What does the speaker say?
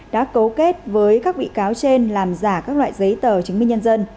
đã cấu kết với các bị cáo trên làm giả các loại giấy tờ chứng minh nhân dân